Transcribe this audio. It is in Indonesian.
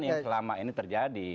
yang selama ini terjadi